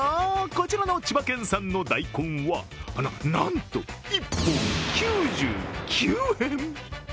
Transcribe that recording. こちらの千葉県産の大根はななななんと、１本９９円！？